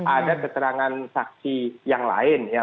ada keterangan saksi yang lain ya